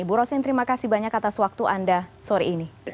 ibu rosin terima kasih banyak atas waktu anda sore ini